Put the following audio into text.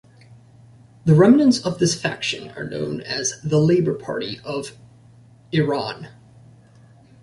The remnants of this faction are known as the Labour Party of Iran.